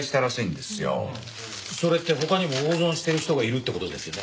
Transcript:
それって他にも大損してる人がいるって事ですよね？